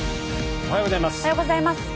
おはようございます。